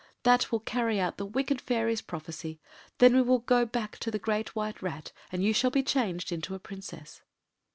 That will carry out the wicked fairy’s prophecy. Then we will go back to the Great White Rat, and you shall be changed into a Princess.